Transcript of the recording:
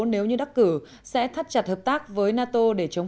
nếu như đắc cử sẽ thắt chặt hợp tác với nato